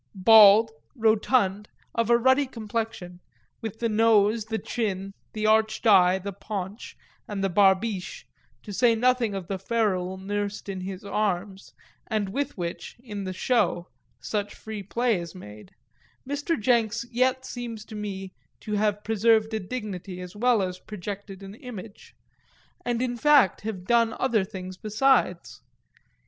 Bald, rotund, of ruddy complexion, with the nose, the chin, the arched eye, the paunch and the barbiche, to say nothing of the ferule nursed in his arms and with which, in the show, such free play is made, Mr. Jenks yet seems to me to have preserved a dignity as well as projected an image, and in fact have done other things besides.